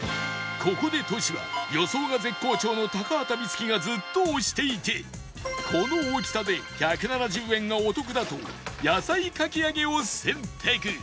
ここでトシは予想が絶好調の高畑充希がずっと推していてこの大きさで１７０円がお得だと野菜かき揚げを選択